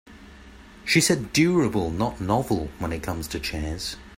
She said durable not novel when it comes to chairs.